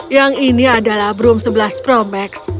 yang ini adalah broom sebelas pro max